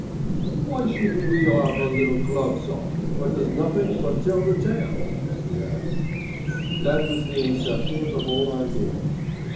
"Why shouldn't we 'ave a little club, sir, wot does nothink but tell the tale?" he asked. That was the inception of the whole idea.